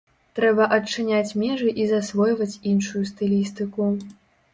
Трэба адчыняць межы і засвойваць іншую стылістыку.